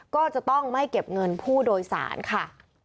ก็จะต้องไม่เก็บเงินผู้โดยสารค่ะ